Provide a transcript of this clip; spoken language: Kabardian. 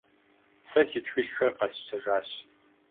Сэ си тхылъхэр къэсщтэжащ.